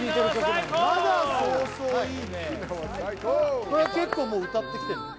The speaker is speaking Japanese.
これは結構もう歌ってきてんの？